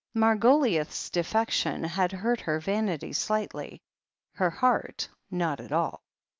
Margoliouth's defection had hurt her vanity slightly — ^her heart not at all.